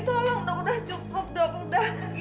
tolong dok sudah cukup dok sudah